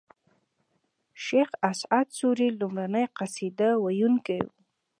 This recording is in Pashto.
شېخ اسعد سوري لومړی قصيده و يونکی دﺉ.